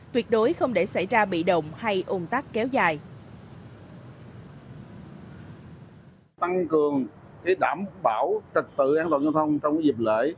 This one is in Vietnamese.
tuyệt đối không để xảy ra bị động hay ồn tắc kéo dài